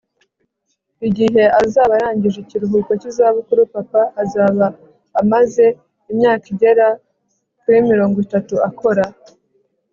igihe azaba arangije ikiruhuko cy'izabukuru, papa azaba amaze imyaka igera kuri mirongo itatu akora